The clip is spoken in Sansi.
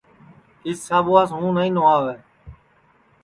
اِس ساٻواس ہوں نائی نھواوے